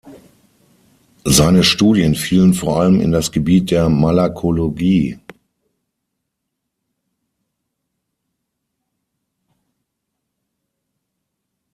Seine Studien fielen vor allem in das Gebiet der Malakologie.